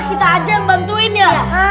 kita aja yang bantuin ya